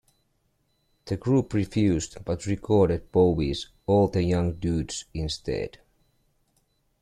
The group refused, but recorded Bowie's "All the Young Dudes" instead.